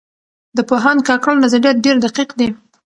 د پوهاند کاکړ نظریات ډېر دقیق دي.